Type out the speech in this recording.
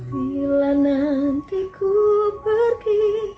bila nanti ku pergi